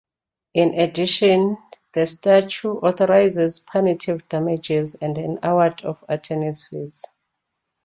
In addition, that statute authorizes punitive damages and an award of attorney's fees.